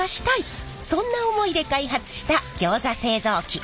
そんな思いで開発したギョーザ製造機。